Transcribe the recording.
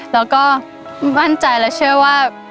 แล้วก็มั่นใจและเชื่อว่า